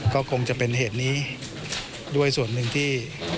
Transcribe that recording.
ก็คงจะเป็นเหตุนี้ด้วยส่วนหนึ่งที่